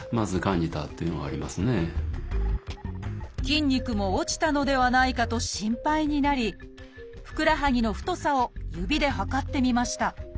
筋肉も落ちたのではないかと心配になりふくらはぎの太さを指で測ってみました。